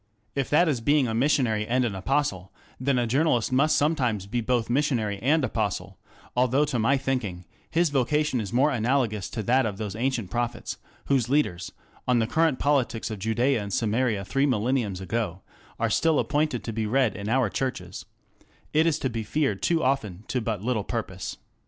If that is being a missionary and an apostle, then a journalist must sometimes be both missionary and apostle, although to my thinking his vocation is more analogous to that of those ancient prophets whose leaders on the current politics of Judaea and Samaria three millenniums ago are still appointed to be read in our churches ŌĆö it is to be feared too often to but little purpose.